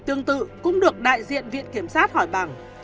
tương tự cũng được đại diện viện kiểm sát hỏi bằng